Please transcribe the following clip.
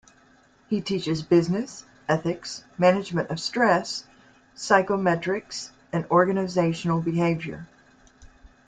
He teaches Business Ethics, Management of stress, Psychometrics and Organisational behaviour.